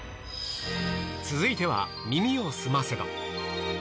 続いては、耳をすませば。